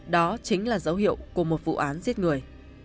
đó chính là dấu hiệu của một vụ án giết người